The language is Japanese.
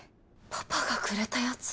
パパがくれたやつ？